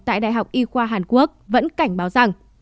tại đại học y khoa hàn quốc vẫn cảnh báo rằng